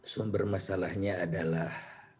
sumber masalahnya adalah